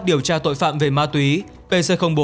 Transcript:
điều tra tội phạm về ma túy pc bốn